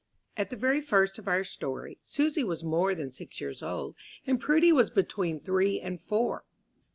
At the very first of our story, Susy was more than six years old, and Prudy was between three and four.